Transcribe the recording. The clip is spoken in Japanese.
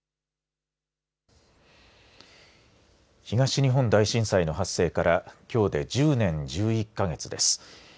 東日本大震災の発生からきょうで１０年１１か月です。